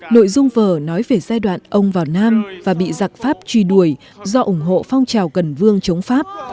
nội dung vở nói về giai đoạn ông vào nam và bị giặc pháp truy đuổi do ủng hộ phong trào gần vương chống pháp